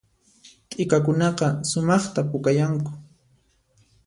T'ikakunaqa sumaqta pukayanku